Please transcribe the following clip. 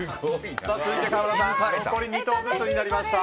続いて川村さん残り２投ずつになりました。